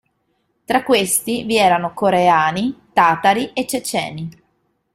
Tra questi vi erano coreani, tatari e ceceni.